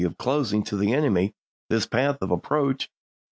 of closing to the enemy this path of approach and ism.